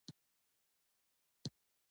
ذهن ته مي هیڅ نه راتلل .